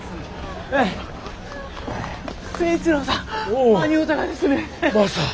誠一郎さん！